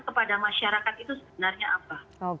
kepada masyarakat itu sebenarnya apa